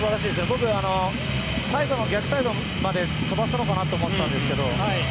僕は、逆サイドまで飛ばしたのかなと思ったんですけど。